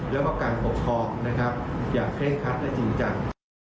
แล้วก็การปกครองนะครับอย่างเคร่งคัดและจริงจัง